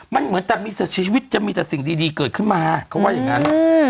มันเหมือนแต่มีเสียชีวิตจะมีแต่สิ่งดีเกิดขึ้นมาเขาว่าอย่างนั้น